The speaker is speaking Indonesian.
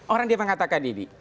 orang dia mengatakan ini